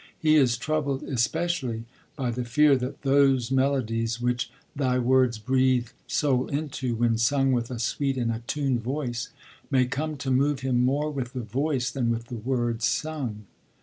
He is troubled especially by the fear that 'those melodies which Thy words breathe soul into, when sung with a sweet and attuned voice,' may come to move him 'more with the voice than with the words sung.'